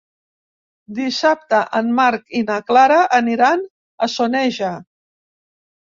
Dissabte en Marc i na Clara aniran a Soneja.